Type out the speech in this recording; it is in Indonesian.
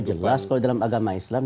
jelas kalau dalam agama islam